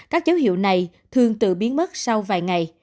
các dấu hiệu này thường tự biến mất sau vài ngày